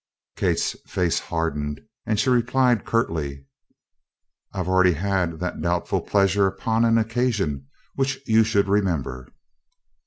Kate's face hardened and she replied curtly: "I already have had that doubtful pleasure upon an occasion, which you should remember."